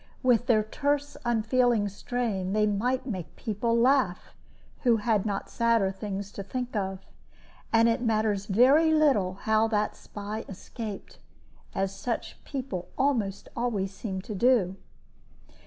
With their terse unfeeling strain, they might make people laugh who had not sadder things to think of. And it matters very little how that spy escaped, as such people almost always seem to do.